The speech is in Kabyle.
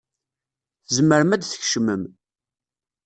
Tzemrem ad tkecmem.